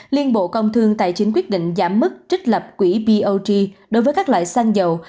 liên bộ công thương tài chính quyết định giảm mức trích lập quỹ bog đối với các loại xăng dầu